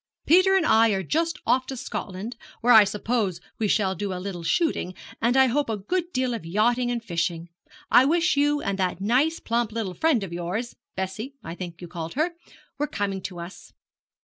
Peter and I are just off to Scotland, where I suppose we shall do a little shooting, and I hope a good deal of yachting and fishing. I wish you and that nice plump little friend of yours Bessie, I think you called her were coming to us.